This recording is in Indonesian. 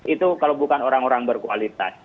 itu kalau bukan orang orang berkualitas